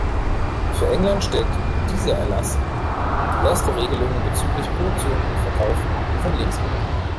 Für England stellt dieser Erlass die erste Regelung bezüglich Produktion und Verkauf von Lebensmitteln.